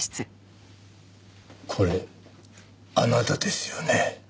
これあなたですよね？